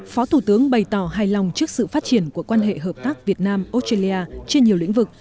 phó thủ tướng bày tỏ hài lòng trước sự phát triển của quan hệ hợp tác việt nam australia trên nhiều lĩnh vực